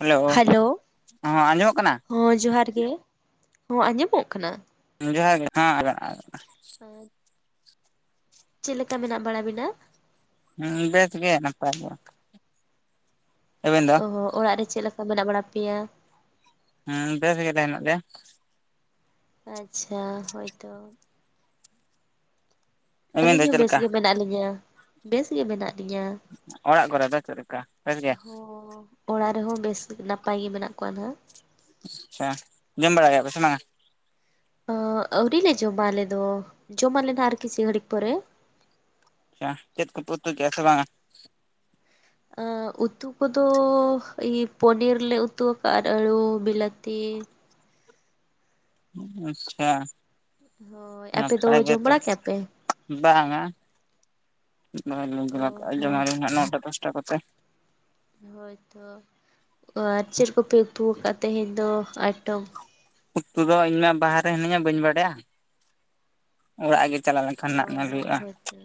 Hello, ᱦᱚᱸ ᱟᱸᱡᱚᱢᱚᱜ ᱠᱟᱱᱟ? ᱦᱚᱸ ᱡᱚᱦᱟᱨ ᱜᱮ, ᱦᱚᱸ ᱟᱸᱡᱚᱢᱚᱜ ᱠᱟᱱᱟ? ᱡᱚᱦᱟᱨ ᱜᱮ [unintelligible] [inaudible] ᱪᱮᱜ ᱞᱮᱠᱟ ᱢᱮᱱᱟᱜ ᱵᱟᱲᱟ ᱵᱤᱱᱟ? ᱵᱮᱥ ᱜᱮ ᱱᱟᱯᱟᱭ ᱜᱮᱭᱟᱞᱮ ᱟᱵᱮᱱ ᱫᱚ? ᱚ ᱚᱲᱟᱜ ᱨᱮ ᱪᱮᱜ ᱞᱮᱠᱟ ᱢᱮᱱᱟᱜ ᱵᱟᱲᱟ ᱯᱮᱭᱟ? ᱦᱩ ᱵᱮᱥ ᱜᱮᱞᱮ ᱦᱮᱱᱟᱜ ᱞᱮᱭᱟ᱾ ᱟᱪᱪᱷᱟ ᱦᱳᱭᱛᱚ᱾ ᱟᱵᱮᱱ ᱫᱚ ᱟᱹᱞᱤᱧ ᱦᱚᱸ ᱪᱮᱫ ᱞᱮᱠᱟ ᱵᱮᱥᱜᱮ ᱢᱮᱱᱟᱜ ᱞᱤᱧᱟᱹ, ᱵᱮᱥᱜᱮ ᱢᱮᱱᱟᱜ ᱞᱤᱧᱟᱹ᱾ ᱚᱲᱟᱜ ᱠᱚᱨᱮ ᱫᱚ ᱪᱮᱫ ᱞᱮᱠᱟ ᱵᱮᱥ ᱜᱮ? ᱦᱚᱸ ᱚᱲᱟᱜ ᱨᱮᱦᱚᱸ ᱵᱮᱥ ᱱᱟᱯᱟᱭ ᱜᱮ ᱢᱮᱱᱟᱜ ᱠᱚᱣᱟ ᱱᱟᱦᱟᱜ᱾ ᱟᱪᱪᱷᱟ ᱡᱚᱢ ᱵᱟᱲᱟ ᱠᱮᱜᱟ ᱯᱮ ᱥᱮ‌ ᱵᱟᱝᱟ? ᱚ ᱟᱹᱣᱨᱤ ᱞᱮ ᱡᱚᱢᱟ ᱟᱞᱮ ᱫᱚ, ᱡᱚᱢᱟᱞᱮ ᱱᱟᱦᱜ ᱟᱨ ᱠᱤᱪᱷᱤ ᱜᱷᱟᱹᱲᱤᱡ ᱯᱚᱨᱮ᱾ ᱟᱪᱪᱷᱟ ᱪᱮᱫ ᱠᱚ ᱯᱮ ᱩᱛᱩ ᱠᱮᱜᱟ ᱥᱮ ᱵᱟᱝᱟ? ᱟ ᱩᱛᱩ ᱠᱚᱫᱚ ᱤᱭᱟᱹ ᱯᱚᱱᱤᱨ ᱞᱮ ᱩᱛᱩ ᱣᱟᱠᱟᱜᱟ ᱟᱨ ᱟᱹᱲᱩ ᱵᱤᱞᱟᱹᱛᱤ ᱟᱪᱪᱷᱟ ᱦᱳᱭ ᱟᱯᱮ ᱫᱚ ᱱᱟᱯᱟᱭ ᱡᱚᱢ ᱜᱮᱛᱚ ᱵᱟᱲᱟ ᱠᱮᱜᱟ ᱯᱮ? ᱵᱟᱝᱟ, ᱚ [unintelligible] ᱦᱚᱸ ᱡᱚᱢᱟᱞᱮ ᱦᱟᱜ ᱱᱚᱴᱟ ᱫᱚᱥᱴᱟ ᱠᱚᱛᱮ᱾ ᱦᱳᱭᱛᱚ, ᱟᱨ ᱪᱮᱫ ᱠᱚᱯᱮ ᱩᱛᱩ ᱣᱟᱠᱟᱜ ᱛᱮᱦᱧ ᱫᱚ ᱟᱭᱴᱚᱢ? ᱩᱛᱩ ᱫᱚ ᱤᱧ ᱢᱟ ᱵᱟᱦᱟᱨᱮ ᱦᱤᱱᱟᱹᱧᱟ ᱵᱟᱹᱧ ᱵᱟᱰᱟᱭᱟ᱾ ᱚᱲᱟᱜ ᱜᱮ ᱪᱟᱞᱟᱣ ᱞᱮᱱ ᱚ ᱦᱚᱸ ᱦᱳᱭ ᱛᱚ,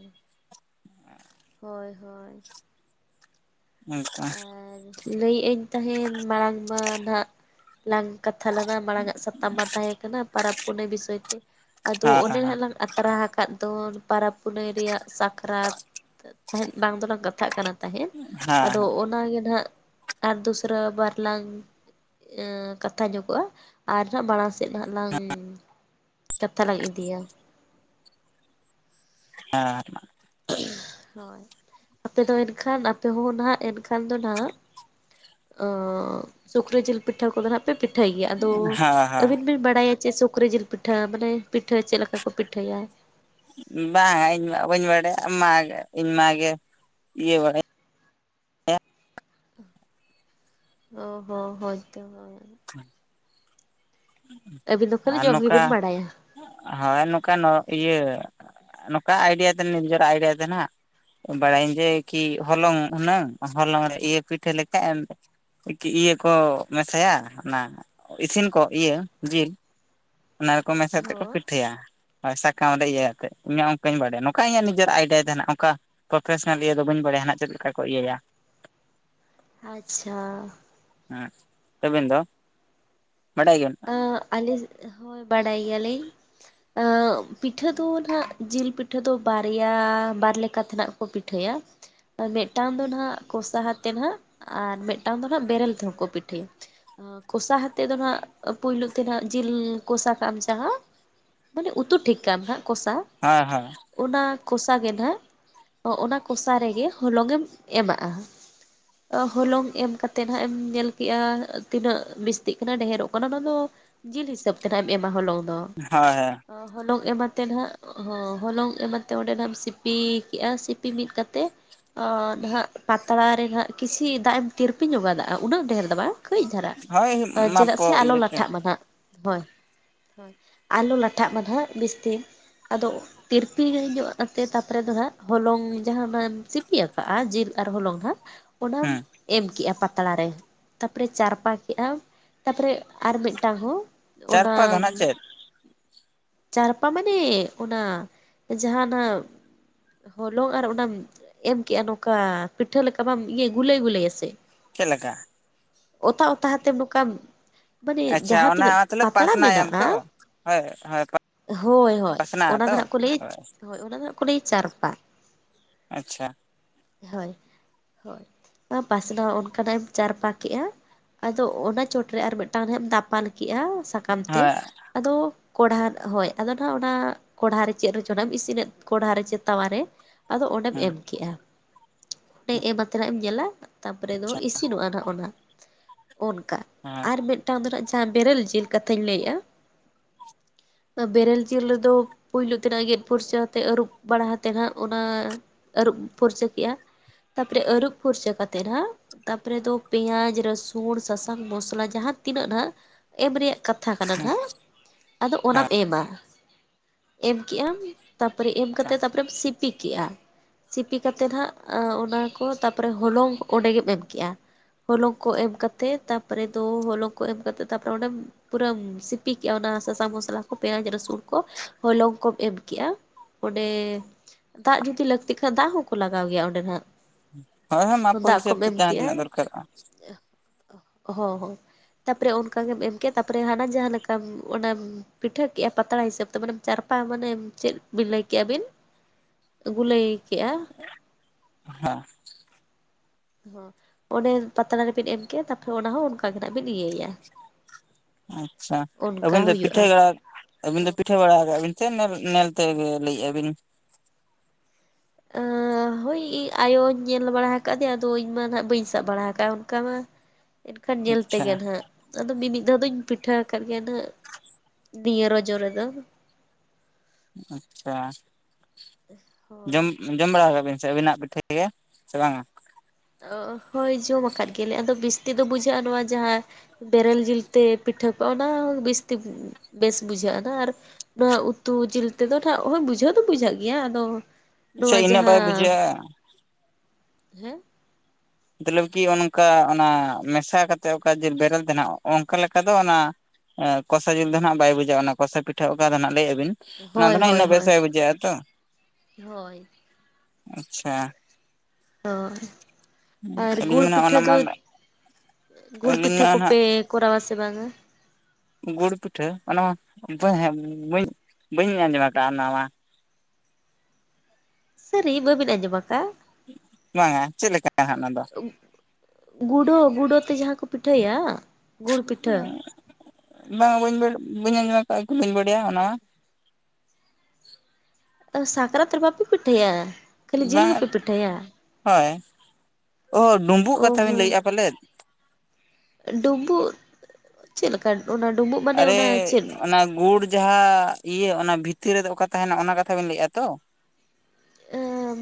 ᱦᱳᱭ ᱦᱳᱭ᱾ [inaudible] ᱞᱟᱹᱭ ᱤᱭᱟᱹᱧ ᱛᱟᱦᱮᱱ ᱢᱟᱲᱟᱝ ᱢᱟ ᱱᱟᱦᱟᱜ ᱞᱟᱝ ᱠᱟᱛᱷᱟ ᱞᱮᱱᱟ ᱢᱟᱲᱟᱝ ᱟᱜ ᱥᱟᱛᱟᱢ ᱢᱟ ᱛᱟᱦᱮᱸ ᱠᱟᱱᱟ ᱯᱚᱨᱚᱵᱽ ᱯᱩᱱᱟᱹᱭ ᱵᱤᱥᱚᱭ ᱛᱮ᱾ ᱟᱫᱚ ᱦᱮᱸ ᱚᱱᱮ ᱦᱟᱜ ᱞᱟᱝ ᱟᱛᱨᱟ ᱦᱟᱠᱟᱜ ᱫᱚ ᱯᱟᱨᱟᱵᱽ ᱯᱩᱱᱟᱹᱭ ᱨᱮᱭᱟᱜ ᱥᱟᱠᱨᱟᱛ ᱛᱟᱦᱮᱸᱫ ᱵᱟᱝ ᱫᱚᱞᱟᱝ ᱠᱟᱛᱷᱟᱜ ᱠᱟᱱᱟ ᱛᱟᱦᱮᱜᱟ ᱦᱮᱸ ᱟᱫᱚ ᱚᱱᱟᱜᱮ ᱱᱟᱦᱟᱸᱜ ᱟᱨ ᱫᱩᱥᱨᱟᱹ ᱵᱟᱨ ᱞᱟᱝ ᱠᱟᱛᱷᱟ ᱧᱚᱜᱚᱜᱼᱟ, ᱟᱨ ᱦᱟᱜ ᱢᱟᱲᱟᱝ ᱥᱮᱫ ᱦᱟᱜ ᱞᱟᱝ ᱠᱟᱛᱷᱟ ᱞᱟᱝ ᱤᱫᱤᱭᱟ᱾ ᱦᱮᱸ ᱟᱯᱮ ᱫᱚ ᱮᱱᱠᱷᱟᱱ ᱟᱯᱮ ᱦᱚᱸ ᱱᱟᱦᱟᱸᱜ ᱮᱱᱠᱷᱟᱱ ᱫᱚ ᱱᱟᱦᱟᱸᱜ ᱚ ᱥᱩᱠᱨᱤ ᱡᱤᱞ ᱯᱤᱴᱷᱟᱹ ᱠᱚᱫᱚ ᱱᱟᱦᱟᱸᱜ ᱯᱮ ᱯᱤᱴᱷᱟᱹᱭ ᱜᱮᱭᱟ, ᱟᱫᱚ ᱦᱮᱸ ᱦᱮᱸ ᱟᱹᱵᱤᱱ ᱵᱤᱱ ᱵᱟᱲᱟᱭᱟ ᱪᱮ ᱥᱩᱠᱨᱤ ᱡᱤᱞ ᱯᱤᱴᱷᱟᱹ ᱢᱟᱱᱮ ᱯᱤᱴᱷᱟᱹ ᱪᱮᱜ ᱞᱮᱠᱟ ᱠᱚ ᱯᱤᱴᱷᱟᱹᱭᱟ? ᱵᱟᱝᱟ ᱤᱧ ᱢᱟ ᱵᱟᱹᱧ ᱵᱟᱲᱟᱭᱟ ᱢᱟ ᱤᱧ ᱢᱟ ᱜᱮ ᱤᱭᱟᱹ ᱵᱟᱲᱟᱭ ᱚ ᱦᱚᱸ ᱦᱚᱭ ᱛᱚ᱾ [inaudible] ᱟᱹᱵᱤᱱ ᱫᱚ ᱠᱷᱟᱹᱞᱤ ᱟᱨ ᱡᱚᱢ ᱱᱚᱝᱠᱟ ᱜᱮᱵᱤᱱ ᱵᱟᱲᱟᱭᱟ᱾ ᱦᱳᱭ ᱱᱚᱝᱠᱟᱱ ᱚ ᱤᱭᱟᱹ ᱱᱚᱝᱠᱟ ᱟᱭᱰᱤᱭᱟ ᱛᱮ ᱱᱤᱡᱮᱨᱟᱜ ᱟᱭᱰᱤᱭᱟ ᱛᱮ ᱱᱟᱦᱟᱜ ᱵᱟᱲᱟᱭᱟᱹᱧ ᱡᱮ ᱠᱤ ᱦᱚᱞᱚᱝ ᱦᱩᱱᱟᱹᱝ ᱦᱚᱞᱚᱝ ᱨᱮ ᱤᱭᱟᱹ ᱯᱤᱴᱷᱟᱹ ᱞᱮᱠᱟ ᱮᱢ ᱤᱭᱟᱹ ᱠᱚ ᱢᱮᱥᱟᱭᱟ ᱚᱱᱟ ᱤᱥᱤᱱ ᱠᱚ ᱤᱭᱟᱹ ᱡᱤᱞ ᱚᱱᱟ ᱠᱚ ᱢᱮᱥᱟ ᱠᱟᱛᱮᱜ ᱠᱚ ᱦᱚᱸ ᱯᱤᱴᱷᱟᱹᱭᱟ᱾ ᱦᱳᱭ ᱥᱟᱠᱟᱢ ᱨᱮ ᱤᱭᱟᱹ ᱦᱟᱛᱮᱜ ᱤᱧᱟᱹᱜ ᱚᱝᱠᱟᱧ ᱵᱟᱲᱟᱭᱟ ᱱᱚᱝᱠᱟ ᱤᱧᱟᱹᱜ ᱱᱤᱡᱮᱨ ᱟᱭᱰᱟᱭ ᱛᱟᱦᱮᱱᱟ ᱚᱱᱠᱟ ᱯᱨᱚᱯᱷᱮᱥᱮᱱ ᱤᱭᱟᱹ ᱫᱚ ᱵᱟᱹᱧ ᱵᱟᱲᱟᱭᱟ ᱦᱟᱱᱟᱜ ᱪᱮᱫ ᱞᱮᱠᱟ ᱠᱚ ᱤᱭᱟᱹᱭᱟ? ᱟᱪᱪᱷᱟ ᱦᱮᱸ ᱟᱹᱵᱤᱱ ᱫᱚ ᱵᱟᱰᱟᱭ ᱜᱮᱭᱟᱢ? ᱚ ᱟᱞᱤᱧ, ᱦᱳᱭ ᱵᱟᱰᱟᱭ ᱜᱮᱭᱟᱞᱤᱧ᱾ ᱟ ᱯᱤᱴᱷᱟᱹ ᱫᱚ ᱱᱟᱜ ᱡᱤᱞ ᱯᱤᱴᱷᱟᱹ ᱫᱚ ᱵᱟᱨᱭᱟ, ᱵᱟᱨ ᱞᱮᱠᱟ ᱛᱮᱱᱟᱜ ᱠᱚ ᱯᱤᱴᱷᱟᱹᱭᱟ᱾ ᱟᱨ ᱢᱮᱫᱴᱟᱝ ᱫᱚ ᱱᱟᱸᱜ ᱠᱚᱥᱟ ᱦᱟᱛᱮ ᱟᱨ ᱢᱮᱫᱴᱟᱝ ᱫᱚ ᱦᱟᱸᱜ ᱵᱮᱨᱮᱞ ᱛᱮᱦᱚᱸ ᱠᱚ ᱯᱤᱴᱷᱟᱹᱭᱟ᱾ ᱠᱚᱥᱟ ᱦᱟᱛᱮ ᱫᱚ ᱱᱟᱸᱜ ᱯᱩᱭᱞᱩ ᱛᱮ ᱱᱟᱜ ᱡᱤᱞ ᱠᱚᱥᱟ ᱠᱟᱜ ᱟᱢ ᱡᱟᱦᱟᱸ, ᱢᱟᱱᱮ ᱩᱛᱩ ᱴᱷᱤᱠ ᱠᱟᱜ ᱟᱢ ᱦᱟᱸᱜ ᱠᱚᱥᱟ, ᱦᱟᱸ ᱦᱟᱸ ᱚᱱᱟ ᱠᱚᱥᱟ ᱜᱮ ᱱᱟᱜ, ᱚᱱᱟ ᱠᱚᱥᱟ ᱨᱮᱜᱮ ᱦᱚᱞᱚᱝ ᱮᱢ ᱮᱢᱟᱜᱼᱟ᱾ ᱦᱚᱞᱚᱝ ᱮᱢ ᱠᱟᱛᱮᱜ ᱦᱟᱸᱜ ᱮᱢ ᱧᱮᱞ ᱠᱮᱜᱼᱟ, ᱛᱤᱱᱟᱹᱜ ᱵᱤᱥᱛᱤᱜ ᱠᱟᱱᱟ ᱰᱷᱮᱨᱚᱜ ᱚᱱᱟ ᱫᱚ ᱟᱢ ᱫᱚ ᱡᱤᱞ ᱦᱤᱥᱟᱹᱵ ᱛᱮ ᱱᱟᱮᱢ ᱮᱢᱟ ᱦᱚᱞᱚᱝ ᱫᱚ᱾ ᱦᱟᱸᱭ ᱦᱮᱸ ᱚ ᱦᱚᱞᱚᱝ ᱮᱢᱟᱛᱮᱫ ᱱᱟᱦᱟᱸᱜ, ᱦᱚ ᱦᱚᱞᱚᱝ ᱮᱢ ᱟᱛᱮ ᱚᱸᱰᱮ ᱱᱟᱜ ᱮᱢ ᱥᱤᱯᱤ ᱠᱮᱜᱼᱟ, ᱥᱤᱯᱤ ᱢᱤᱫ ᱠᱟᱛᱮ ᱚ ᱱᱟᱦᱟᱜ ᱯᱟᱛᱲᱟ ᱨᱮ ᱱᱟᱦᱟᱸᱜ ᱠᱤᱪᱷᱤ ᱫᱟᱜ ᱮᱢ ᱛᱤᱨᱯᱤ ᱧᱚᱜ ᱟᱫᱟ, ᱩᱱᱟᱹᱜ ᱰᱷᱮᱨ ᱫᱚ ᱵᱟᱝ ᱠᱟᱹᱡ ᱦᱟᱭ ᱱᱟᱯᱚ ᱤᱭᱟᱹᱛᱮ ᱢᱟᱱᱟᱜ ᱦᱳᱭ ᱦᱳᱭ, ᱟᱞᱚ ᱞᱟᱴᱷᱟᱜ ᱢᱟ ᱱᱟᱦᱟᱜ ᱵᱮᱥᱛᱮ ᱟᱫᱚ ᱛᱤᱨᱯᱤ ᱧᱚᱜ ᱟᱛᱮ ᱛᱟᱨᱯᱚ ᱨᱮ ᱫᱚ ᱦᱟᱸᱜ, ᱦᱚᱞᱚᱝ ᱡᱟᱦᱟ ᱱᱟᱮᱢ ᱥᱤᱯᱤ ᱟᱠᱟᱫᱼᱟ ᱡᱤᱞ ᱟᱨ ᱦᱚᱞᱚᱝ ᱦᱟᱸᱜ, ᱚᱱᱟᱢ ᱦᱮᱸ ᱮᱢ ᱠᱮᱜᱼᱟ ᱯᱟᱛᱲᱟ ᱨᱮ, ᱛᱟᱯᱚᱨᱮ ᱪᱟᱨᱯᱟ ᱠᱮᱫᱼᱟᱢ, ᱛᱟᱨᱯᱚᱨᱮ ᱟᱨ ᱢᱤᱫᱴᱟᱝ ᱦᱚᱸ ᱪᱟᱨᱯᱟ ᱫᱚ ᱚᱱᱟᱢ ᱱᱟᱜ ᱪᱮᱫ ᱪᱟᱨᱯᱟ ᱢᱟᱱᱮ, ᱚᱱᱟ ᱡᱟᱦᱟᱸᱱᱟᱜ ᱦᱚᱞᱚᱝ ᱟᱨ ᱚᱱᱟᱢ ᱮᱢ ᱠᱮᱜᱼᱟ ᱱᱚᱝᱠᱟ, ᱯᱤᱴᱷᱟᱹ ᱞᱮᱠᱟ ᱵᱟᱢ ᱤᱭᱟᱹ ᱜᱩᱞᱟᱹᱭ ᱜᱩᱞᱟᱹᱭᱟ ᱥᱮ, ᱪᱮᱫ ᱞᱮᱠᱟ? ᱚᱛᱟ ᱚᱛᱟ ᱦᱟᱛᱮ ᱱᱚᱝᱠᱟᱢ, ᱢᱟᱱᱮ ᱡᱟᱦᱟᱸ ᱟᱪᱪᱷᱟ ᱚᱱᱟ ᱛᱤᱱᱟᱹᱜ ᱢᱚᱛᱞᱚᱵ ᱯᱟᱛᱲᱟ ᱯᱟᱥᱱᱟᱭᱟᱢ ᱢᱮᱱᱟᱜᱼᱟ ᱛᱚ ᱦᱳᱭ ᱦᱳᱭ ᱦᱳᱭ ᱦᱳᱭ, ᱯᱟᱥᱱᱟᱜᱼᱟ ᱚᱱᱟ ᱛᱚ ᱫᱚᱱᱟᱜ ᱠᱚ ᱞᱟᱹᱭᱟ ᱦᱳᱭ ᱚᱱᱟ ᱫᱚᱱᱟᱜ ᱠᱚ ᱞᱟᱹᱭ ᱪᱟᱨᱯᱟ᱾ ᱟᱪᱪᱷᱟ, ᱦᱳᱭ ᱦᱳᱭ, ᱯᱟᱥᱱᱟᱣ ᱚᱱᱠᱟᱱᱟᱜ ᱮᱢ ᱪᱟᱨᱯᱟ ᱠᱮᱜᱼᱟ, ᱟᱫᱚ ᱚᱱᱟ ᱪᱚᱴ ᱨᱮ ᱟᱨ ᱢᱮᱫᱴᱟᱝ ᱨᱮ ᱦᱟᱢ ᱫᱟᱯᱟᱞ ᱠᱮᱜᱼᱟ ᱥᱟᱠᱟᱢ ᱛᱮ, ᱦᱳᱭ ᱟᱫᱚ ᱠᱚᱰᱦᱟ, ᱦᱳᱭ ᱟᱫᱚ ᱱᱟᱸᱜ ᱚᱱᱟ ᱠᱚᱲᱦᱟ ᱨᱮ ᱪᱮᱫ ᱨᱮᱪᱚᱱᱟᱢ ᱤᱥᱤᱱᱮᱫ, ᱠᱚᱲᱦᱟ ᱨᱮ ᱪᱮ ᱛᱟᱣᱟ ᱨᱮ, ᱟᱫᱚ ᱚᱸᱰᱮᱢ ᱦᱮᱸ ᱮᱢ ᱠᱮᱜᱼᱟ, ᱮᱢᱟᱛᱮ ᱱᱟᱜ ᱮᱢ ᱧᱮᱞᱟ ᱛᱟᱯᱚᱨᱮ ᱫᱚ ᱤᱥᱤ ᱤᱥᱤᱱᱚᱜᱼᱟ ᱱᱟᱸᱜ ᱚᱱᱟ ᱚᱱᱠᱟ, ᱦᱮᱸ ᱟᱨ ᱢᱤᱫ ᱢᱤᱫᱴᱟᱝ ᱫᱚ ᱱᱟᱦᱟᱜ ᱡᱟᱦᱟᱸ ᱵᱮᱨᱮᱞ ᱡᱤᱞ ᱠᱟᱛᱷᱟᱧ ᱞᱟᱹᱭᱮᱜᱼᱟ, ᱵᱮᱨᱮᱞ ᱡᱤᱞ ᱨᱮᱫᱚ ᱯᱳᱭᱞᱳ ᱛᱮᱱᱟᱜ, ᱜᱮᱫ ᱯᱚᱨᱪᱟ ᱟᱛᱮᱫ ᱟᱹᱨᱩᱵ ᱵᱟᱲᱟ ᱦᱟᱛᱮ ᱦᱟᱜ ᱚᱱᱟ ᱟᱹᱨᱩᱵ ᱯᱷᱚᱨᱪᱟᱹ ᱠᱮᱜᱼᱟ, ᱛᱟᱨᱯᱚᱨᱮ ᱟᱨᱩᱵ ᱯᱷᱚᱨᱪᱟ ᱠᱟᱛᱮᱜ ᱱᱟᱸᱜ, ᱛᱟᱨᱯᱚᱨᱮ ᱫᱚ ᱯᱮᱸᱭᱟᱡ ᱨᱚᱥᱩᱱ ᱥᱟᱥᱟᱝ ᱢᱚᱥᱞᱟ ᱡᱟᱦᱟᱸ ᱛᱤᱱᱟᱹᱜ ᱱᱟᱜ ᱮᱢ ᱨᱮᱭᱟᱜ ᱠᱟᱛᱷᱟ ᱠᱟᱱᱟ ᱱᱟᱸᱜ, ᱟᱫᱚ ᱚᱱᱟᱢ ᱮᱢᱟ, ᱮᱢ ᱠᱮᱜᱟᱢ ᱛᱟᱨᱯᱚᱨᱮ ᱮᱢ ᱟᱪᱪᱷᱟ ᱠᱟᱛᱮ ᱛᱟᱨᱯᱚᱨᱮᱢ ᱥᱤᱯ ᱯᱤ ᱠᱮᱜᱼᱟ, ᱥᱤᱯᱤ ᱠᱟᱛᱮᱫ ᱱᱟᱸᱜ ᱟ ᱚᱱᱟ ᱠᱚ ᱛᱟᱨᱯᱚᱨᱮ ᱦᱚᱞᱚᱝ ᱚᱸᱰᱮ ᱜᱮᱢ ᱮᱢ ᱠᱮᱜᱼᱟ, ᱦᱚᱞᱚᱝ ᱠᱚ ᱮᱢ ᱠᱟᱛᱮᱜ, ᱛᱟᱨᱯᱚᱨᱮ ᱫᱚ ᱦᱚᱞᱚᱝ ᱠᱚ ᱮᱢ ᱠᱟᱛᱮᱜ ᱛᱟᱨᱯᱚᱨᱮ ᱚᱸᱰᱮᱢ ᱯᱩᱨᱟᱹᱢ ᱥᱤᱯᱤ ᱠᱮᱜᱼᱟ ᱚᱱᱟ ᱥᱟᱥᱟᱝ ᱢᱚᱥᱞᱟ ᱠᱚ, ᱯᱮᱸᱭᱟᱡ, ᱨᱟᱹᱥᱩᱱ ᱠᱚ ᱦᱚᱞᱚᱝ ᱠᱚᱢ ᱮᱢ ᱠᱮᱜᱼᱟ, ᱚᱸᱰᱮᱻ ᱫᱟᱜ ᱡᱩᱫᱤ ᱞᱟᱹᱠᱛᱤᱜ ᱠᱷᱟᱱ ᱫᱟᱜ ᱦᱚᱸᱠᱚ ᱞᱟᱜᱟᱣ ᱜᱮᱭᱟ ᱚᱸᱰᱮ ᱱᱟᱦᱟᱸᱜ, ᱦᱳᱭ ᱦᱮ ᱢᱟᱯ ᱠᱚ ᱦᱤᱥᱟᱹᱵ ᱠᱟᱛᱮ ᱡᱟᱦᱟᱸ ᱛᱤᱱᱟᱜ ᱫᱚᱨᱠᱟᱨᱚᱜᱼᱟ᱾ ᱦᱚᱸ ᱦᱚᱸ, ᱛᱟᱨᱯᱚᱨᱮ ᱚᱱᱠᱟ ᱜᱮᱢ ᱮᱢᱠᱮᱜ-ᱟ ᱛᱟᱨᱯᱚᱨᱮ ᱦᱟᱱᱟ ᱡᱟᱦᱟᱸ ᱞᱮᱠᱟᱢ ᱚᱱᱟᱢ ᱯᱤᱴᱷᱟᱹ ᱠᱮᱜᱼᱟ ᱯᱟᱛᱲᱟ ᱦᱤᱥᱟᱹᱵ ᱛᱮ, ᱢᱟᱱᱮ ᱪᱟᱨᱯᱟ ᱢᱟᱱᱮ ᱪᱮᱫ ᱵᱤᱱ ᱞᱟᱹᱭ ᱠᱮᱜᱼᱟ ᱵᱤᱱ, ᱛᱩᱵᱩ ᱞᱟᱹᱭ ᱠᱮᱜᱼᱟ ᱦᱮ ᱚᱱᱮ ᱯᱟᱛᱲᱟ ᱨᱮᱵᱤᱱ ᱮᱢ ᱠᱮᱜ-ᱟ ᱛᱟᱨᱯᱚᱨᱮ ᱚᱱᱟ ᱦᱚᱸ ᱚᱱᱠᱟ ᱜᱮ ᱱᱟᱜ ᱵᱤᱱ ᱤᱭᱟᱹᱭᱟ ᱟᱪᱪᱷᱟ ᱚᱱᱠᱟ ᱟᱵᱮᱱ ᱫᱚ ᱯᱤᱴᱷᱟᱹ ᱦᱩᱭᱩᱜᱼᱟ ᱟᱹᱵᱤᱱ ᱫᱚ ᱯᱤᱴᱷᱟᱹ ᱵᱟᱲᱟ ᱠᱟᱜᱟ ᱵᱤᱱ ᱥᱮ ᱱᱮᱞ ᱛᱮᱜᱮ ᱵᱮ ᱞᱟᱹᱭᱮᱜᱼᱟ ᱵᱤᱱ? [unintelligible] ᱦᱳᱭ ᱤᱧ ᱟᱭᱳᱧ ᱧᱮᱞ ᱵᱟᱲᱟ ᱟᱠᱟᱫᱮᱭᱟ ᱟᱫᱚ ᱤᱧᱢᱟ ᱱᱟᱜ ᱵᱟᱹᱧ ᱥᱟᱵ ᱵᱟᱲᱟ ᱟᱠᱟᱫᱼᱟ ᱚᱱᱠᱟ ᱢᱟ ᱮᱱᱠᱷᱟᱱ ᱧᱮᱞ ᱟᱪᱪᱷᱟ ᱛᱮᱜᱮ ᱱᱟᱦᱟᱸᱜ ᱟᱫᱚ ᱢᱤᱢᱤᱫ ᱫᱷᱟᱣ ᱫᱚᱤᱧ ᱯᱤᱴᱷᱟᱹ ᱟᱠᱟᱫ ᱜᱮᱭᱟ ᱱᱟᱦᱟᱜ ᱱᱤᱭᱟᱹ ᱨᱚᱡᱚ ᱨᱮ ᱫᱚ ᱟᱪᱪᱷᱟ ᱦᱳᱭ ᱡᱚᱢ ᱡᱚᱢ ᱵᱟᱲᱟ ᱠᱟᱫᱟ ᱵᱤᱱ ᱥᱮ ᱟᱵᱤ ᱱᱟᱜ ᱯᱤᱴᱷᱟᱹ ᱜᱮ ᱥᱮ ᱵᱟᱝᱼᱟ? ᱚᱸ ᱦᱳᱭ ᱡᱚᱢ ᱟᱠᱟᱫ ᱜᱮᱭᱟᱞᱮ ᱟᱫᱚ ᱵᱮᱥᱛᱤ ᱫᱚ ᱵᱩᱡᱷᱟᱹᱜᱼᱟ ᱱᱚᱣᱟ ᱡᱟᱦᱟᱸ ᱵᱮᱨᱮᱞ ᱡᱤᱞᱛᱮ ᱯᱤᱴᱷᱟᱹ ᱠᱟᱣᱱᱟ ᱵᱮᱥᱛᱤ ᱵᱮᱥ ᱵᱩᱡᱷᱟᱹᱜ ᱟᱱᱟ ᱟᱨ ᱱᱚᱣᱟ ᱩᱛᱩ ᱡᱤᱞ ᱛᱮᱫᱚ ᱱᱟᱦᱟᱜ ᱦᱚᱭ ᱵᱩᱡᱷᱟᱹᱣ ᱫᱚ ᱵᱩᱡᱷᱟᱹᱜ ᱜᱮᱭᱟ ᱟᱫᱚ ᱥᱮ ᱱᱚᱣᱟ ᱤᱱᱟᱹᱜ ᱵᱟᱭ ᱡᱟᱦᱟᱸ ᱵᱩᱡᱷᱟᱹᱜᱼᱟ ᱦᱮᱸ ᱢᱟᱫᱟᱞᱟᱹᱯ ᱠᱤ ᱚᱱᱠᱟ ᱚᱱᱟ ᱢᱮᱥᱟ ᱠᱟᱛᱮᱫ ᱚᱠᱟ ᱡᱮ ᱵᱮᱨᱮᱞ ᱛᱟᱦᱮᱱᱟ ᱚᱱᱠᱟ ᱞᱮᱠᱟ ᱫᱚ ᱚᱱᱟ ᱮᱜ ᱠᱚᱥᱟ ᱡᱤᱞ ᱫᱚ ᱦᱟᱜ ᱵᱟᱭ ᱵᱩᱡᱷᱟᱹᱜᱼᱟ ᱚᱱᱟ ᱠᱚᱥᱟ ᱯᱤᱴᱷᱟᱹ ᱚᱠᱟ ᱫᱚ ᱦᱟᱜ ᱞᱟᱹᱭ ᱟᱵᱤᱱ ᱚᱱᱟ ᱫᱚ ᱦᱳᱭ ᱱᱟᱜ ᱦᱳᱭ ᱩᱱᱟᱹᱜ ᱵᱮᱥ ᱦᱳᱭ ᱵᱟᱭ ᱵᱩᱡᱷᱟᱹᱜᱼᱟ ᱛᱚ ᱦᱳᱭ ᱟᱪᱪᱷᱟ ᱚ ᱟᱨ ᱜᱩᱲ ᱟᱹᱞᱤᱧ ᱢᱟ ᱯᱤᱴᱷᱟᱹ ᱚᱱᱟ ᱢᱟ ᱫᱚ ᱜᱩᱲ ᱟᱹᱞᱤᱧ ᱯᱤᱴᱷᱟᱹ ᱢᱟ ᱱᱟᱜ ᱠᱚᱯᱮ ᱠᱚᱨᱟᱣᱟ ᱥᱮ ᱵᱟᱝᱼᱟ? ᱜᱩᱲ ᱯᱤᱴᱷᱟᱹ ᱚᱱᱟ ᱢᱟ ᱵᱟᱹᱧ ᱵᱟᱹᱧ ᱟᱸᱡᱚᱢ ᱟᱠᱟᱫᱼᱟ ᱚᱱᱟ ᱢᱟ ᱥᱟᱹᱨᱤ ᱵᱟᱹᱵᱤᱱ ᱟᱸᱡᱚᱢᱟ ᱟᱠᱟ? ᱵᱟᱝᱼᱟ ᱪᱮᱞᱮᱠ ᱠᱟᱦᱟᱸ ᱚᱱᱟ ᱫᱚ ᱜᱩᱰᱟᱹ ᱜᱩᱰᱟᱹ ᱛᱮ ᱡᱟᱦᱟᱸ ᱠᱩ ᱯᱤᱴᱷᱟᱹᱭᱟ ᱜᱩᱲ ᱯᱤᱴᱷᱟᱹ ᱚᱱᱟ ᱵᱟᱹᱧ ᱵᱟᱹᱲ ᱵᱟᱹᱧ ᱟᱸᱡᱚᱢ ᱟᱠᱟ ᱵᱟᱹᱧ ᱵᱟᱹᱲᱭᱟ ᱚᱱᱟ ᱢᱟ ᱥᱟᱠᱨᱟᱛ ᱨᱮ ᱵᱟᱯᱮ ᱯᱤᱴᱷᱟᱹᱭᱟ? ᱠᱷᱟᱹᱞᱤ ᱡᱤᱞ ᱜᱮᱯᱮ ᱵᱟᱝᱟ ᱯᱤᱴᱷᱟᱹᱭᱟ ᱦᱳᱭ ᱚ ᱰᱩᱸᱢᱵᱩᱜ ᱠᱟᱛᱷᱟ ᱵᱮᱱ ᱞᱟᱹᱭᱮᱫᱼᱟ ᱯᱟᱞᱮᱫ? ᱰᱩᱢᱵᱩᱜ ᱪᱮᱫ ᱞᱮᱠᱟ ᱚᱱᱟ ᱰᱩᱸᱵᱩᱜ ᱢᱟᱱᱮ ᱟᱨᱮ ᱚᱱᱟ ᱪᱮᱫ? ᱚᱱᱟ ᱜᱩᱲ ᱡᱟᱦᱟᱸ ᱤᱭᱟᱹ ᱚᱱᱟ ᱵᱷᱤᱛᱤᱨ ᱨᱮᱫᱚ ᱚᱠᱟ ᱛᱟᱦᱮᱱᱟ ᱚᱱᱟ ᱠᱟᱛᱷᱟ ᱵᱮᱤᱱ ᱞᱟᱹᱭᱮᱜᱼᱟ ᱛᱚ?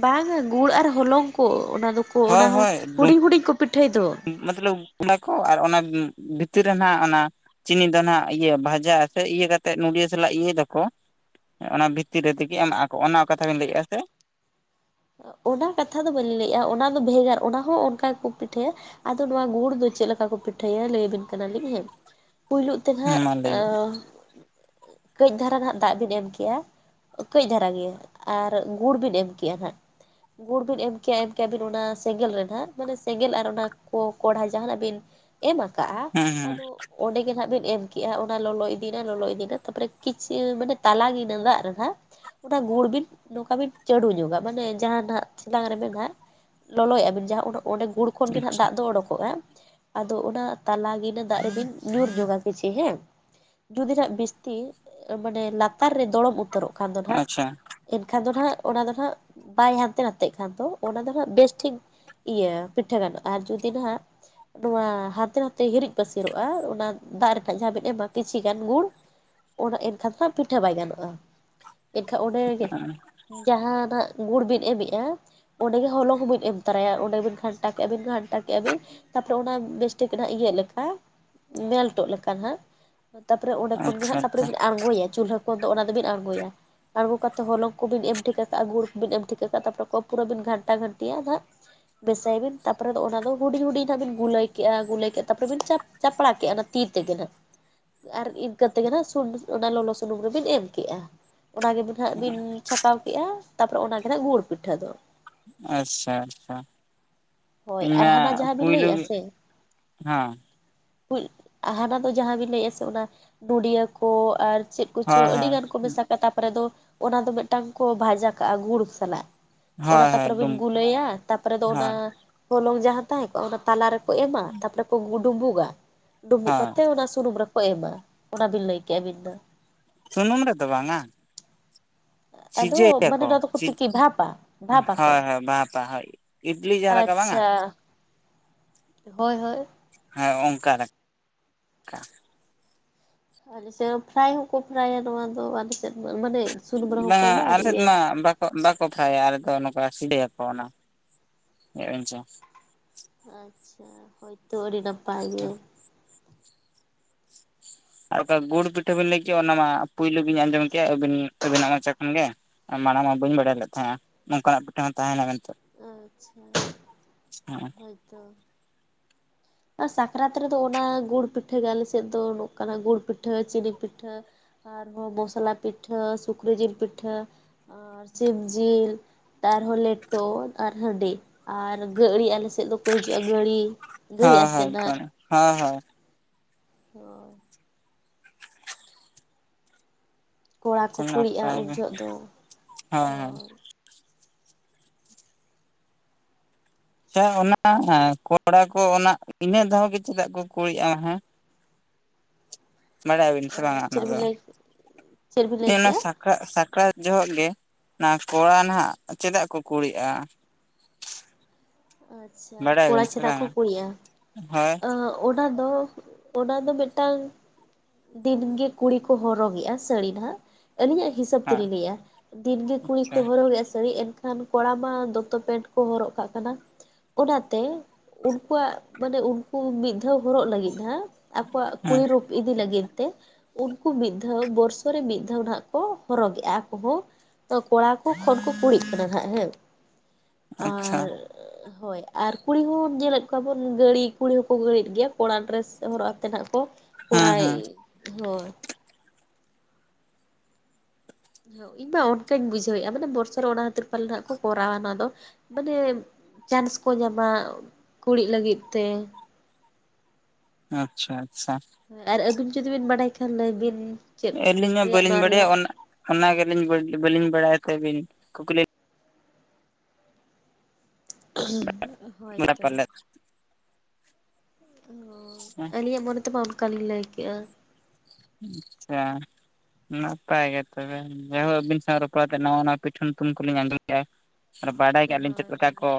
ᱵᱟᱝᱼᱟ ᱜᱩᱲ ᱟᱨ ᱦᱚᱞᱚᱝ ᱠᱚ ᱚᱱᱟ ᱫᱚᱠᱚ ᱚᱱᱟ ᱦᱳᱭ ᱦᱚᱸ ᱦᱩᱰᱤᱧ ᱦᱩᱰᱤᱧ ᱠᱩ ᱯᱤᱴᱷᱟᱹᱭ ᱫᱚ ᱢᱟᱛᱞᱟᱵ ᱚᱱᱟ ᱠᱚ ᱟᱨ ᱚᱱᱟ ᱵᱷᱤᱛᱤᱨ ᱨᱮ ᱚᱱᱟ ᱪᱤᱱᱤ ᱫᱟᱱᱟ ᱤᱭᱟᱹ ᱵᱷᱟᱦᱟ ᱟᱛᱮᱜ ᱤᱭᱟᱹ ᱠᱟᱛᱮᱜ ᱱᱚᱰᱤᱭᱟᱹ ᱥᱟᱞᱟᱜ ᱤᱭᱟᱹᱭ ᱫᱟᱠᱚ ᱚᱱᱟ ᱵᱷᱤᱛᱤᱨ ᱨᱮ ᱛᱤᱜᱮ ᱟᱠ ᱚᱱᱟ ᱠᱟᱛᱷᱟ ᱵᱤᱱ ᱞᱟᱹᱭᱮᱫᱼᱟ ᱥᱮ? ᱚᱱᱟ ᱠᱟᱛᱷᱟ ᱫᱚ ᱵᱟᱞᱤᱧ ᱞᱟᱹᱭᱮᱜᱼᱟ ᱚᱱᱟ ᱫᱚ ᱵᱷᱮᱜᱟᱨ ᱚᱱᱟ ᱦᱚᱸ ᱚᱱᱠᱟ ᱜᱮ ᱠᱚ ᱯᱤᱴᱷᱟᱹᱭᱟ ᱟᱫᱚ ᱱᱚᱣᱟ ᱜᱩᱲ ᱫᱚ ᱪᱮᱫ ᱞᱮᱠᱟ ᱠᱚ ᱯᱤᱴᱷᱟᱹᱭᱟ ᱞᱟᱹᱭ ᱟᱵᱤᱱ ᱠᱟᱱᱟᱞᱤᱧ ᱦᱮᱸ ᱯᱳᱭᱞᱩ ᱛᱮᱱ ᱦᱮᱸ ᱦᱟᱜ ᱢᱟ ᱞᱟᱹᱭ ᱵᱤᱱ ᱠᱟᱹᱡ ᱫᱷᱟᱨᱟ ᱱᱟᱦᱟᱜ ᱫᱟᱜ ᱵᱤᱱ ᱮᱢ ᱠᱮᱜᱼᱟ ᱠᱟᱹᱡ ᱫᱷᱟᱨᱟ ᱜᱮ ᱟᱨ ᱜᱩᱲ ᱵᱤᱱ ᱮᱢ ᱠᱮᱜᱼᱟ ᱦᱟᱸᱜ ᱜᱩᱲ ᱵᱤᱱ ᱮᱢ ᱠᱮᱜᱼᱟ ᱮᱢ ᱠᱮᱭᱟ ᱵᱤᱱ ᱚᱱᱟ ᱥᱮᱸᱜᱮᱞ ᱨᱮ ᱦᱟᱜ ᱢᱟᱱᱮ ᱥᱮᱸᱜᱮᱞ ᱟᱨ ᱚᱱᱟ ᱠᱚ ᱠᱚᱲᱦᱟ ᱡᱟᱦᱟᱱᱟᱜ ᱵᱤᱱ ᱮᱢ ᱟᱠᱟᱜᱼᱟ ᱦᱮᱸ ᱦᱮᱸ ᱟᱫᱚ ᱚᱸᱰᱮ ᱜᱮᱦᱟᱜ ᱵᱤᱱ ᱮᱢ ᱠᱮᱜᱼᱟ ᱚᱱᱟ ᱞᱚᱞᱚ ᱤᱫᱤᱭᱱᱟ ᱞᱚᱞᱚ ᱤᱫᱤᱭᱱᱟ ᱛᱟᱨᱯᱚᱨᱮ ᱠᱤᱪ ᱢᱟᱱᱮ ᱛᱟᱱᱟ ᱜᱤᱞᱟᱱ ᱫᱟᱜ ᱨᱮ ᱱᱟᱜ ᱚᱱᱟ ᱜᱩᱲ ᱵᱤᱱ ᱱᱚᱝᱠᱟ ᱵᱤᱱ ᱪᱟᱰᱩ ᱧᱚᱜᱼᱟ ᱢᱟᱱᱮ ᱡᱟᱦᱟ ᱱᱟᱜ ᱪᱮᱞᱟᱝ ᱨᱮᱵᱮᱱ ᱦᱟᱜ ᱞᱚᱞᱚᱭ ᱮᱜᱟ ᱵᱤᱱ ᱡᱟᱦᱟ ᱚᱸᱰᱮ ᱚᱰᱮ ᱜᱩᱲ ᱠᱷᱚᱱ ᱜᱮ ᱦᱟᱜ ᱫᱟᱜ ᱫᱚ ᱚᱰᱳᱠᱚᱜᱼᱟ ᱟᱫᱚ ᱚᱱᱟ ᱛᱟᱞᱟ ᱜᱮᱱᱟᱹ ᱫᱟᱜ ᱨᱮᱵᱤᱱ ᱧᱩᱨ ᱧᱚᱜ-ᱟ ᱠᱤᱪᱷᱤ ᱦᱮᱸ᱾ ᱡᱩᱫᱤᱱᱟᱜ ᱵᱤᱥᱛᱤ ᱢᱟᱱᱮ ᱞᱟᱛᱟᱨ ᱨᱮ ᱫᱚᱲᱚᱢ ᱩᱫ ᱩᱛᱟᱹᱨᱚᱜ ᱠᱷᱟᱱ ᱫᱚ ᱱᱟᱜ ᱟᱪᱪᱷᱟ ᱮᱱᱠᱷᱟᱱ ᱫᱚ ᱱᱟᱜ ᱚᱱᱟ ᱫᱚ ᱱᱟᱜ ᱵᱟᱭ ᱦᱟᱱᱛᱮ ᱱᱟᱛᱮᱜ ᱠᱷᱟᱱ ᱫᱚ ᱚᱱᱟ ᱫᱚ ᱦᱟᱸᱜ ᱵᱮᱥᱴᱷᱤᱠ ᱤᱭᱟᱹ ᱯᱤᱴᱷᱟᱹ ᱜᱟᱱᱚᱜ-ᱟ ᱟᱨ ᱡᱩᱫᱤ ᱱᱟᱜ ᱱᱚᱣᱟ ᱦᱟᱱᱛᱮ ᱱᱟᱛᱮ ᱦᱤᱨᱤᱡ ᱯᱟᱹᱥᱤᱨᱚᱜ-ᱟ ᱚᱱᱟ ᱫᱟᱜ ᱨᱮᱱᱟᱜ ᱡᱟᱦᱟᱸ ᱵᱤᱱ ᱮᱢᱟ ᱠᱤᱪᱷᱤ ᱜᱟᱱ ᱜᱩᱲ ᱚᱱᱟ ᱮᱱᱠᱷᱟᱱ ᱯᱤᱴᱷᱟᱹ ᱵᱟᱭ ᱜᱟᱱᱚᱜ-ᱟ ᱮᱱᱠᱷᱟᱱ ᱚᱸᱰᱮ ᱡᱟᱦᱟᱱᱟᱜ ᱜᱩᱲ ᱵᱤᱱ ᱮᱢᱮᱜ-ᱟ ᱚᱸᱰᱮ ᱜᱮ ᱦᱚᱞᱚᱝ ᱦᱚᱸᱵᱤᱱ ᱮᱢ ᱛᱚᱨᱟᱭᱟ ᱚᱸᱰᱮ ᱵᱤᱱ ᱜᱷᱟᱱᱴᱟ ᱠᱮᱜ-ᱟ ᱵᱤᱱ ᱜᱷᱟᱱᱴᱟ ᱠᱮᱫᱮᱜ-ᱟ ᱵᱤᱱ ᱛᱟᱨᱯᱚᱨᱮ ᱚᱱᱟ ᱵᱮᱥᱴᱤᱠ ᱦᱟᱸᱜ ᱤᱭᱟᱹᱜ ᱞᱮᱠᱟ ᱢᱮᱞᱴᱚᱜ ᱞᱮᱠᱟ ᱦᱟᱸᱜ ᱛᱟᱯᱚᱨᱮ ᱚᱸᱰᱮ ᱠᱷᱚᱱ ᱜᱮ ᱟᱪᱪᱷᱟ ᱦᱟᱸᱜ ᱛᱟᱯᱚᱨᱮ ᱟᱪᱪᱷᱟ ᱟᱬᱜᱚᱭᱟ ᱪᱩᱞᱦᱟᱹ ᱠᱷᱚᱱ ᱫᱚ ᱚᱱᱟ ᱫᱚᱵᱤᱱ ᱟᱬᱜᱚᱭᱟ ᱟᱬᱜᱚ ᱠᱟᱛᱮ ᱦᱚᱞᱚᱝ ᱠᱚᱵᱤᱱ ᱮᱢ ᱴᱷᱤᱠ ᱠᱟᱜ ᱜᱩᱲ ᱵᱤᱱ ᱮᱢ ᱴᱷᱤᱠᱟᱹ ᱠᱟᱜ-ᱟ ᱛᱟᱯᱚᱨᱮ ᱯᱩᱨᱟᱹ ᱵᱤᱱ ᱜᱷᱟᱱᱴᱟ ᱜᱟᱱᱴᱤᱭᱟ ᱦᱟᱸᱜ ᱢᱮᱥᱟᱭ ᱵᱤᱱ ᱛᱟᱨᱯᱚᱨᱮ ᱫᱚ ᱚᱱᱟ ᱫᱚ ᱦᱩᱰᱤᱧ ᱦᱩᱰᱤᱧ ᱦᱟᱸᱜ ᱵᱤᱱ ᱜᱩᱞᱟᱹᱭ ᱠᱮᱜ-ᱟ ᱜᱩᱞᱟᱹᱭ ᱠᱮᱫ ᱛᱟᱯᱚᱨᱮ ᱵᱤᱱ ᱪᱟᱯ ᱪᱟᱯᱲᱟᱜ ᱠᱮᱟ ᱚᱱᱟ ᱛᱤ ᱛᱮᱜᱮ ᱱᱟᱜ ᱟᱨ ᱤᱱᱠᱟᱹ ᱛᱮᱜᱮ ᱱᱟᱜ ᱥᱩᱱ ᱚᱱᱟ ᱞᱚᱞᱚ ᱥᱩᱱᱩᱢ ᱨᱮᱵᱤᱱ ᱮᱢ ᱠᱮᱜ-ᱟ, ᱚᱱᱟ ᱜᱮᱵᱤᱱ ᱦᱟᱸᱜ ᱵᱤᱱ ᱪᱷᱟᱠᱟᱣ ᱠᱮᱜ-ᱟ ᱛᱟᱨᱯᱚᱨᱮ ᱚᱱᱟᱜᱮ ᱱᱟᱸᱜ ᱜᱩᱲ ᱯᱤᱴᱷᱟᱹ ᱫᱚ᱾ ᱟᱪᱪᱷᱟ ᱟᱪᱪᱷᱟ᱾ ᱦᱳᱭ ᱤᱧ ᱟᱨ ᱢᱟ ᱦᱟᱱᱟ ᱡᱟᱦᱟᱸ ᱵᱤᱱ ᱯᱩᱭᱞᱩ ᱞᱟᱹᱭᱮᱜᱼᱟ ᱥᱮ ᱦᱮᱸ ᱦᱟᱱᱟ ᱫᱚ ᱡᱟᱦᱟᱸ ᱵᱤᱱ ᱞᱟᱹᱭᱮᱜ-ᱟ ᱥᱮ ᱚᱱᱟ ᱜᱩᱰᱤᱭᱟᱹ ᱠᱚ ᱟᱨ ᱪᱮᱜ ᱠᱩᱪᱩ ᱦᱳᱭ ᱟᱹᱰᱤ ᱦᱳᱭ ᱜᱟᱱ ᱠᱚ ᱢᱮᱥᱟ ᱠᱟᱜ-ᱟ ᱛᱟᱨᱯᱚᱨᱮ ᱫᱚ ᱚᱱᱟ ᱫᱚ ᱢᱤᱫᱴᱟᱝ ᱠᱚ ᱵᱷᱟᱡᱟ ᱠᱟᱜ-ᱟ ᱜᱩᱲ ᱥᱟᱞᱟᱜ ᱾ ᱚᱱᱟ ᱦᱳᱭ ᱦᱳᱭ ᱛᱟᱨᱯᱚᱨᱮ ᱵᱤᱱ ᱰᱩᱢ ᱜᱩᱞᱟᱹᱭᱟ ᱛᱟᱨᱯᱚᱨᱮ ᱫᱚ ᱚᱱᱟ ᱦᱳᱭ ᱦᱚᱞᱚᱝ ᱡᱟᱦᱟᱸ ᱛᱟᱦᱮᱸ ᱠᱚᱜ-ᱟ ᱚᱱᱟ ᱛᱟᱞᱟᱨᱮ ᱠᱚ ᱮᱢᱟ ᱛᱟᱯᱚᱨᱮ ᱠᱚ ᱰᱩᱸᱵᱩᱜ-ᱟ ᱰᱩᱸᱵᱩᱜ ᱦᱳᱭ ᱠᱟᱛᱮ ᱚᱱᱟ ᱥᱩᱱᱩᱢ ᱨᱮ ᱠᱚ ᱮᱢᱟ ᱚᱱᱟ ᱵᱤᱱ ᱞᱟᱹᱭ ᱠᱮᱜ-ᱟ ᱟᱵᱤᱱ ᱫᱚ᱾ ᱥᱩᱱᱩᱢ ᱨᱮᱫᱚ ᱵᱟᱝ-ᱟ ᱟᱫᱚ ᱢᱟᱱᱮ ᱥᱤᱡᱮᱭᱟᱠᱚ ᱱᱚᱣᱟ ᱫᱚᱠᱚ ᱥᱤᱡ ᱛᱤᱠᱤ ᱵᱷᱟᱯᱟ ᱵᱷᱟᱯᱟᱠᱚ ᱦᱳᱭ ᱦᱳᱭ ᱵᱟᱯ ᱟ ᱦᱳᱭ᱾ ᱤᱰᱞᱤ ᱡᱟᱦᱟᱸ ᱞᱮᱠᱟ ᱵᱟᱝᱟ ᱟᱪᱪᱷᱟ ᱦᱳᱭ ᱦᱳᱭ᱾ ᱦᱮᱸ ᱚᱝᱠᱟ ᱾ ᱟᱞᱮ ᱥᱮᱜ ᱯᱷᱨᱟᱭ ᱦᱚᱠᱚ ᱯᱷᱨᱟᱭ-ᱟ ᱱᱚᱣᱟ ᱫᱚ ᱟᱞᱮ ᱥᱮᱜ ᱫᱚ ᱢᱟᱱᱮ ᱥᱩᱱᱩᱢ ᱨᱮᱦᱚᱸ ᱠᱚ ᱵᱟᱝᱟ ᱮᱢᱟ ᱟᱨ ᱟᱞᱮ ᱥᱮᱫ ᱤᱭᱟᱹ [unintelligible] ᱵᱟᱠᱚ ᱯᱷᱨᱟᱭᱟ ᱟᱞᱮ ᱫᱚ ᱱᱚᱝᱠᱟ ᱥᱤᱰᱮᱭᱟᱠᱚ ᱚᱱᱟ, [unintelligible] ᱟᱪᱪᱷᱟ ᱦᱚᱭᱛᱚ ᱟᱹᱰᱤ ᱱᱟᱯᱟᱭ ᱜᱮ᱾ ᱟᱨ ᱚᱠᱟ ᱜᱩᱲ ᱯᱤᱴᱷᱟᱹ ᱵᱤᱱ ᱞᱟᱹᱭ ᱠᱮᱜ ᱚᱱᱟ ᱢᱟ ᱯᱩᱭᱞᱩ ᱜᱤᱧ ᱟᱸᱡᱚᱢ ᱠᱮᱜ ᱟᱵᱤᱱ ᱟᱵᱤᱱᱟᱜ ᱢᱚᱪᱟ ᱠᱷᱚᱱ ᱜᱮ᱾ ᱢᱟᱲᱟᱝ ᱢᱟ ᱵᱟᱹᱧ ᱵᱟᱲᱟᱭ ᱞᱮᱫ ᱛᱟᱦᱮᱸᱜ-ᱟ ᱱᱚᱝᱠᱟᱱᱟᱜ ᱯᱤᱴᱷᱟᱹ ᱦᱚᱸ ᱛᱟᱦᱮᱱᱟ ᱢᱮᱱᱛᱮ᱾ ᱟᱪᱪᱷᱟ ᱦᱮᱸ ᱦᱳᱭ ᱦᱳᱭᱛᱚ᱾ ᱥᱟᱠᱨᱟᱛ ᱨᱮᱫᱚ ᱚᱱᱟ ᱜᱩᱲ ᱯᱤᱴᱷᱟᱹ ᱜᱮ ᱟᱞᱮ ᱥᱮᱜ ᱫᱚ ᱱᱚᱠᱟᱱᱟ ᱠᱟᱱᱟ ᱜᱩᱲ ᱯᱤᱴᱷᱟᱹ ᱪᱤᱱᱤ ᱯᱤᱴᱷᱟᱹ ᱟᱨᱦᱚᱸ ᱢᱚᱥᱞᱟ ᱯᱤᱴᱷᱟᱹ ᱥᱩᱠᱨᱤ ᱡᱤᱞ ᱯᱤᱴᱷᱟᱹ ᱟᱨ ᱥᱤᱢ ᱡᱤᱞ ᱟᱨᱦᱚᱸ ᱞᱮᱴᱚ ᱟᱨ ᱦᱟᱺᱰᱤ ᱟᱨ ᱜᱟᱹᱲᱤ ᱟᱞᱮ ᱥᱮᱫ ᱫᱚᱠᱚ ᱦᱤᱡᱩᱜ-ᱟ ᱜᱟᱹᱲᱤ᱾ ᱜᱟᱹᱲᱤ ᱟᱥᱮ ᱱᱟᱜ [unintelligible] [unintelligible] ᱠᱚᱲᱟ ᱠᱚ ᱠᱩᱲᱤᱜ-ᱟ ᱱᱟᱯᱟᱭ ᱩᱱ ᱜᱮ ᱡᱚᱦᱚᱜ ᱫᱚ ᱦᱳᱭ ᱾ ᱦᱮ ᱚᱱᱟ ᱮᱸ ᱠᱚᱲᱟ ᱠᱚ ᱚᱱᱟ ᱤᱱᱟᱹ ᱫᱷᱟᱣ ᱜᱮ ᱪᱮᱫᱟᱜ ᱠᱚ ᱠᱩᱲᱤᱜ-ᱟ ᱦᱮᱸ? [unintelligible] ᱵᱟᱰᱟᱭ ᱟᱵᱤᱱ ᱥᱮ ᱵᱟᱝᱟ ᱚᱱᱟ ᱪᱮᱫ ᱵᱤᱱ ᱫᱚ ᱞᱟᱹᱭ ᱪᱮᱫ ᱵᱤᱱ ᱞᱟᱹᱭ ᱤᱱᱟ ᱠᱮᱜᱼᱟ ᱥᱟ ᱥᱟᱠᱨᱟᱛ ᱡᱚᱦᱚᱜ ᱜᱮ ᱚᱱᱟ ᱠᱚᱲᱟ ᱱᱟᱦᱟᱜ ᱪᱮᱫᱟᱜ ᱠᱚ ᱠᱩᱲᱤᱜ-ᱟ? ᱟᱪᱪᱷᱟ ᱠᱚᱲᱟ ᱵᱟᱰᱟᱭᱟᱵᱤᱱ ᱥᱮ ᱪᱮᱫᱟᱜ ᱠᱚ ᱵᱟᱝᱟ ᱠᱩᱲᱤ-ᱟ ᱦᱳᱭ ᱟᱸ ᱚᱱᱟ ᱫᱚ ᱚᱱᱟ ᱫᱚ ᱢᱤᱫᱴᱟᱝ ᱫᱤᱱᱜᱮ ᱠᱩᱲᱤ ᱠᱚ ᱦᱚᱨᱚᱜᱮᱜ-ᱟ ᱥᱟᱹᱲᱤ ᱱᱟᱦᱟᱜ᱾ ᱟᱹᱞᱤᱧᱟᱜ ᱦᱤᱥᱟᱹᱵᱽ ᱦᱳᱭ ᱛᱮᱞᱤᱧ ᱞᱟᱹᱭᱮᱜ-ᱟ ᱫᱤᱱᱜᱮ ᱠᱩᱲᱤ ᱠᱚ ᱟᱪᱪᱷᱟ ᱦᱚᱨᱚᱜᱮ-ᱟ ᱥᱟᱹᱲᱤ ᱮᱱ ᱠᱷᱟᱱ ᱠᱚᱲᱟ ᱢᱟ ᱫᱚᱛᱚ ᱯᱮᱱᱴ ᱠᱚ ᱦᱚᱨᱚᱜ ᱠᱟᱜ ᱠᱟᱱᱟ᱾ ᱚᱱᱟᱛᱮ ᱩᱱᱠᱩᱣᱟᱜ ᱢᱟᱱᱮ ᱩᱱᱠᱩ ᱢᱤᱫ ᱫᱷᱟᱣ ᱦᱚᱨᱚᱜ ᱞᱟᱹᱜᱤᱫ ᱦᱟᱜ ᱟᱠᱚᱣᱟᱜ ᱠᱩᱲᱤ ᱦᱮᱸ ᱨᱩᱯ ᱤᱫᱤ ᱞᱟᱹᱜᱤᱫ ᱛᱮ ᱩᱱᱠᱩ ᱢᱤᱫ ᱫᱷᱟᱣ ᱵᱚᱨᱥᱚ ᱨᱮ ᱢᱤᱫ ᱫᱷᱟᱣ ᱱᱟᱜ ᱠᱚ ᱦᱚᱨᱚᱜᱮᱜ-ᱟ ᱟᱠᱚ ᱦᱚᱸ᱾ ᱛᱚ ᱠᱚᱲᱟ ᱠᱚ ᱠᱷᱚᱱ ᱠᱚ ᱠᱩᱲᱤᱜ ᱠᱟᱱᱟ ᱦᱟᱸᱜ ᱦᱮᱸ ᱟᱪᱪᱷᱟ ᱟᱨ ᱦᱳᱭ ᱟᱨ ᱠᱩᱲᱤ ᱦᱚᱸ ᱧᱮᱞᱮᱫ ᱠᱚᱣᱟ ᱵᱚᱱ ᱜᱟᱹᱲᱤ ᱠᱩᱲᱤ ᱦᱚᱸᱠᱚ ᱜᱟᱹᱲᱤᱫ ᱜᱮᱭᱟ ᱠᱚᱲᱟ ᱰᱨᱮᱥ ᱦᱚᱨᱚᱜ ᱟᱛᱮᱫ ᱱᱟᱦᱟᱜ ᱠᱚ ᱦᱮᱸ ᱠᱚᱨᱟᱭ ᱦᱮᱸ ᱦᱳᱭ᱾ ᱦᱳ ᱤᱧ ᱢᱟ ᱚᱱᱠᱟᱧ ᱵᱩᱡᱷᱟᱹᱣᱮᱜ-ᱟ ᱢᱟᱱᱮ ᱵᱚᱨᱥᱚ ᱨᱮ ᱚᱱᱟ ᱦᱟᱹᱛᱤᱨ ᱯᱟᱞᱮᱱ ᱦᱟᱸᱜ ᱠᱚ ᱠᱚᱨᱟᱣᱟ ᱚᱱᱟ ᱫᱚ ᱢᱟᱱᱮ ᱪᱟᱱᱥ ᱠᱚ ᱧᱟᱢᱟ ᱠᱩᱲᱤᱜ ᱞᱟᱹᱜᱤᱫ ᱛᱮ ᱾ ᱟᱪᱪᱷᱟ ᱟᱪᱪᱷᱟ᱾ ᱦᱮᱸ ᱟᱨ ᱟᱹᱵᱤᱱ ᱡᱩᱫᱤ ᱵᱤᱱ ᱵᱟᱰᱟᱭ ᱠᱷᱟᱱ ᱞᱟᱹᱭ ᱵᱤᱱ? ᱪᱮᱫ ᱟᱹᱞᱤᱧ ᱢᱟ ᱨᱮᱭᱟᱜ ᱵᱟᱹᱞᱤᱧ ᱱᱚᱣᱟ ᱵᱟᱰᱟᱭᱟ ᱨᱮᱭᱟᱜ ᱚᱱᱟ ᱦᱟᱱᱟ ᱜᱮᱞᱤᱧ ᱵᱟᱹᱞ ᱵᱟᱹᱞᱤᱧ ᱵᱟᱲᱟᱭ ᱛᱮ ᱵᱤᱱ ᱠᱩᱠᱞᱤ [unintelligible] ᱦᱚᱭ ᱯᱟᱞᱮᱫ ᱛᱚ᱾ [inaudible] ᱦᱮᱸ [inaudible] ᱟᱹᱞᱤᱧᱟᱜ ᱢᱚᱱᱮ ᱛᱮᱢᱟ ᱚᱱᱠᱟ ᱞᱤᱧ ᱞᱟᱹᱭ ᱠᱮᱜ-ᱟ᱾ ᱟᱪᱪᱷᱟ ᱱᱟᱯᱟᱭ ᱜᱮ ᱛᱚᱵᱮ ᱡᱟᱭᱦᱩᱠ ᱟᱹᱵᱤᱱ ᱥᱟᱶ ᱨᱚᱯᱚᱲ ᱠᱟᱛᱮ ᱱᱟᱣᱟ ᱱᱟᱣᱟ ᱯᱤᱴᱷᱟᱹ ᱧᱩᱛᱩᱢ ᱠᱚᱞᱤᱧ ᱟᱸᱡᱚᱢ ᱠᱮᱫ-ᱟ᱾ ᱟᱨ ᱵᱟᱰᱟᱭ ᱠᱮᱜ-ᱟ ᱞᱤᱧ ᱪᱮᱫ ᱞᱮᱠᱟ ᱠᱚ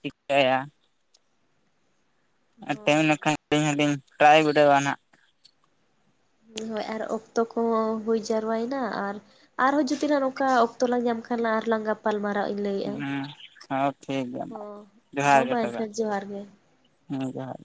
ᱪᱤᱠᱟᱹᱭᱟ᱾ ᱟᱨ ᱛᱟᱸᱦᱮᱸ ᱦᱳᱭ ᱞᱮᱱᱠᱷᱟᱱ ᱟᱹᱞᱤᱧ ᱦᱚᱸᱞᱤᱧ ᱴᱨᱟᱭ ᱵᱤᱰᱟᱹᱣᱟ ᱱᱟᱜ ᱦᱳᱭ ᱟᱨ ᱚᱠᱛᱚ ᱠᱚ ᱦᱚᱸ ᱦᱩᱭ ᱡᱟᱨᱣᱟᱭᱮᱱᱟ ᱟᱨ ᱟᱨᱦᱚᱸ ᱡᱩᱫᱤ ᱱᱟᱜ ᱱᱚᱝᱠᱟ ᱚᱠᱛᱚ ᱞᱟᱝ ᱧᱟᱢ ᱠᱷᱟᱱ ᱞᱟᱝ ᱟᱨᱦᱚᱸ ᱞᱟᱝ ᱜᱟᱯᱟᱞ ᱢᱟᱨᱟᱜ-ᱟ ᱤᱧ ᱞᱟᱹᱭᱮᱫ-ᱟ᱾ ᱦᱮᱸ ᱦᱚᱸ ᱴᱷᱤᱠ ᱜᱮᱭᱟ᱾ ᱢᱟ ᱦᱚᱸ ᱡᱚᱦᱟᱨ ᱦᱚᱸ ᱜᱮ ᱢᱟ ᱛᱚᱵᱮ ᱮᱱᱠᱷᱟᱱ ᱡᱚᱦᱟᱨ ᱜᱮ᱾ ᱦᱮᱸ ᱡᱚᱦᱟᱨ